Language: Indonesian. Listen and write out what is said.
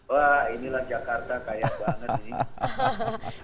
wah inilah jakarta kaya banget nih